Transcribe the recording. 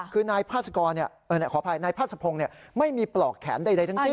คือนายพาสกรเนี่ยขออภัยนายพาสภงมัยมีปลอกแขนใดทั้งสิ้น